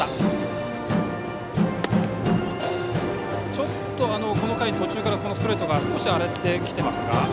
ちょっと、この回途中からストレートが少し荒れてきていますが。